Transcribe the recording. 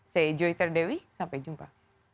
saya joy terdewi sampai jumpa